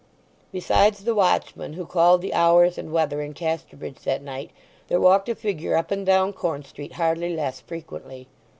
Besides the watchman who called the hours and weather in Casterbridge that night there walked a figure up and down Corn Street hardly less frequently.